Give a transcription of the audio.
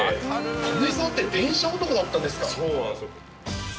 戸根さんって電車男だったんそうなんですよ。